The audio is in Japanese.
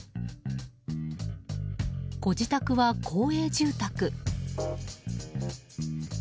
ご自宅は公営住宅。